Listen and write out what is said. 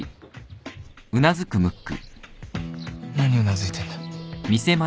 何うなずいてんだ。